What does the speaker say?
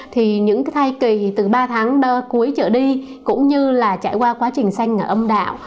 thì những cái thai kỳ từ ba tháng cuối trở đi cũng như là trải qua quá trình xanh ở âm đạo